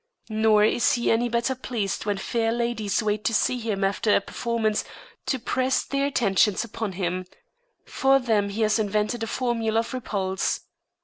Nor is he any better pleased when fair ladies wait to see him after a performance to press their attentions upon him. For them he has invented a formula of repulse.